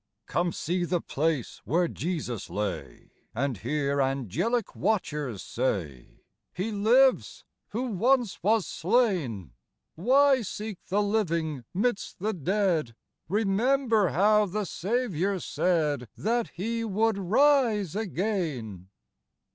Come see the place where Jesus lay, And hear angelic watchers say, —" He lives, who once was slain : Why seek the living 'midst the dead ? Remember how the Saviour said That He would rise again."